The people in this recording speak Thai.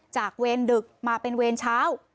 เวรดึกมาเป็นเวรเช้า